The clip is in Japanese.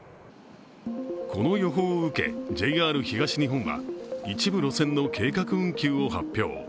この予報を受けＪＲ東日本は一部路線の計画運休を発表。